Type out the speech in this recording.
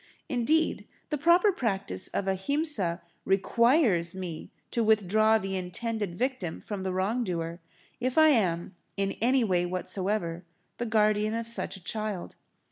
Indeed, the proper practice of Ahimsa requires me to withdraw the intended victim from the wrong doer, if I am, in any way whatsoever, the guardian of such a child.